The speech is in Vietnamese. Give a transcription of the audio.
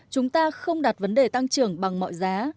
chúng ta không đặt vấn đề tăng trưởng bằng mọi giá